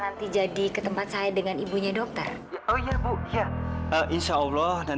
dan tuhan gak pernah menyembunyikan kebenaran